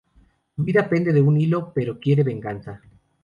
Su vida pende de un hilo, pero quiere venganza.